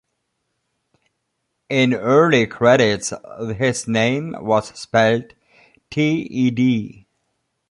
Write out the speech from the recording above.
In early credits, his name was spelled "T-E-D".